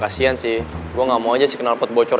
ya kasihan sih gua gamau aja sih kenal pot bocor